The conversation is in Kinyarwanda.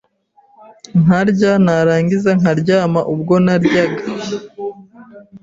nkarya narangiza nkaryama, ubwo naryaga